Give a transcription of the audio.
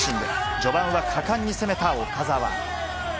序盤は果敢に攻めた岡澤。